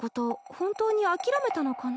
本当に諦めたのかな？